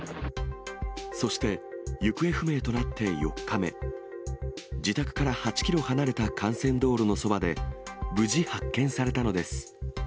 そして、行方不明となって４日目、自宅から８キロ離れた幹線道路のそばで、無事発見されたのです。